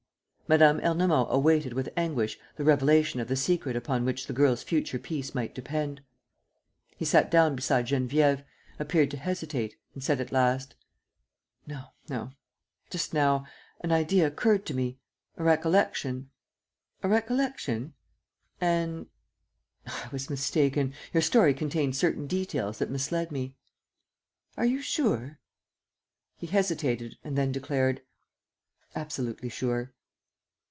Mme. Ernemont awaited with anguish the revelation of the secret upon which the girl's future peace might depend. He sat down beside Geneviève, appeared to hesitate, and said at last: "No ... no ... just now ... an idea occurred to me ... a recollection ..." "A recollection? ... And ..." "I was mistaken. Your story contained certain details that misled me." "Are you sure?" He hesitated and then declared: "Absolutely sure."